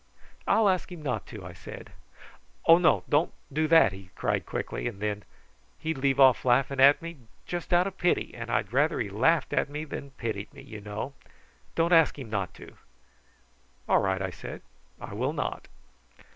"I'll ask him not to," I said. "Oh, no; don't do that!" he cried quickly then; "he'd leave off laughing at me just out of pity, and I'd rather he laughed at me than pitied me, you know. Don't ask him not." "All right!" I said. "I will not."